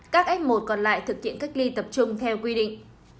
các f một còn lại thực hiện cách ly tập trung theo quy định